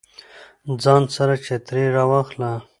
ځان سره چترۍ راواخله